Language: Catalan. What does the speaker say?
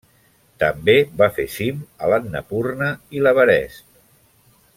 També va fer cim a l'Annapurna i l'Everest.